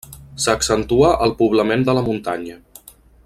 S'accentua el poblament de la muntanya.